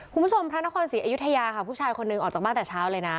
พระนครศรีอยุธยาค่ะผู้ชายคนหนึ่งออกจากบ้านแต่เช้าเลยนะ